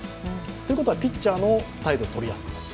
ということは、ピッチャーのタイトルをとりやすくなる。